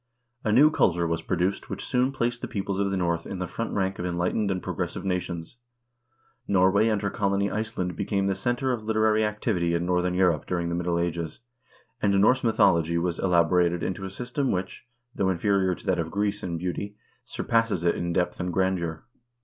A new culture was produced which soon placed the peoples of the North in the front rank of enlightened and pro gressive nations. Norway and her colony Iceland became the center of literary activity in northern Europe during the Middle Ages, and Norse mythology was elaborated into a system which, though Inferior to that of Greece in beauty, surpasses it in depth and grandeur.